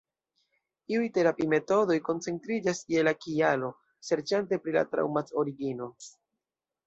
Iuj terapi-metodoj koncentriĝas je la kialo, serĉante pri la traŭmat-origino.